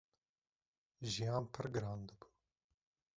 jiyan pir giran dibû.